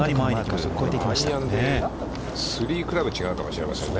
３クラブ、違うかもしれませんね。